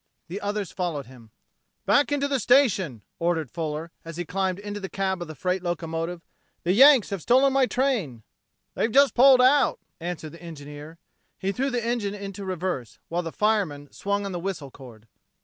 The others followed him. "Back into the station," ordered Fuller, as he climbed into the cab of the freight locomotive. "The Yanks have stolen my train!" "They've just pulled out!" answered the engineer. He threw the engine into reverse, while the fireman swung on the whistle cord.